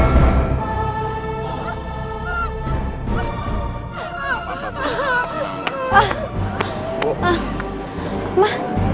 sampai jumpa di video selanjutnya